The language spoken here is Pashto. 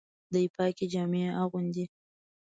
دی پاکي جامې اغوندي.